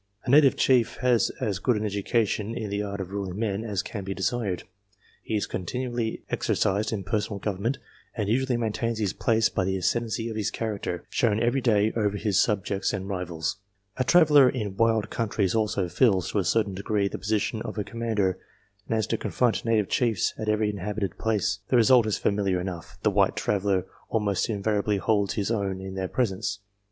A native chief has as good an education in the art of ruling men as can be desired ; he is con tinually exercised in personal government, and usually maintains his place by the ascendency of his character, shown every day over his subjects and rivals. A traveller in wild countries also fills, to a certain degree, the posi tion of a commander, and has to confront native chiefs at every inhabited place. The result is familiar enough the white traveller almost invariably holds his own in their presence.